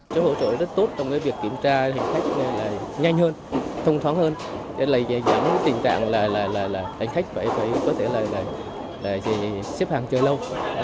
sở hỗ trợ rất tốt trong việc kiểm tra hành khách nhanh hơn thông thoáng hơn giảm tình trạng hành khách phải xếp hàng chờ lâu